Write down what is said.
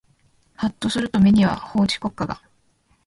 はっとすると目には法治国家が